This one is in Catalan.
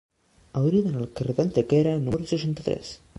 Hauria d'anar al carrer d'Antequera número seixanta-tres.